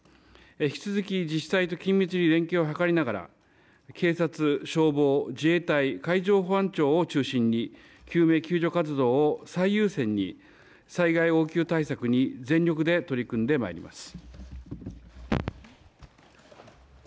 引き続き自治体と緊密に連携を図りながら、警察、消防、自衛隊、海上保安庁を中心に救命救助活動を最優先に災害応急対策に全力で取り組んでまいります。